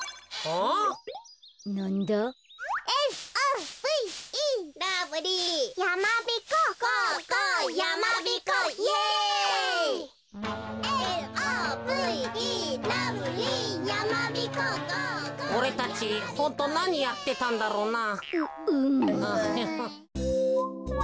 おれたちホントなにやってたんだろうな。